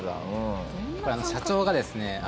これ社長がですね